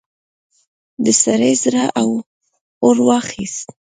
د سړي زړه اور واخيست.